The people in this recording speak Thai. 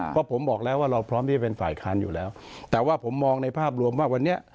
เพราะผมบอกแล้วว่าเราพร้อมที่จะเป็นฝ่ายค้านอยู่แล้วแต่ว่าผมมองในภาพรวมว่าวันนี้